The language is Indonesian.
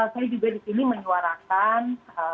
saya juga disini menyuarakan